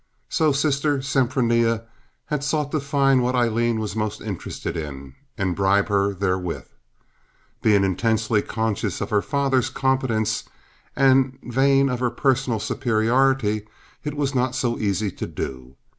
So Sister Sempronia had sought to find what Aileen was most interested in, and bribe her therewith. Being intensely conscious of her father's competence, and vain of her personal superiority, it was not so easy to do.